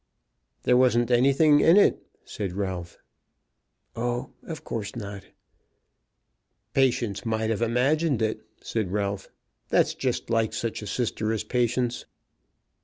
"There wasn't anything in it," said Ralph. "Oh; of course not." "Patience might have imagined it," said Ralph. "That's just like such a sister as Patience."